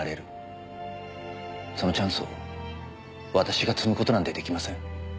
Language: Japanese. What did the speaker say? そのチャンスを私が摘む事なんて出来ません。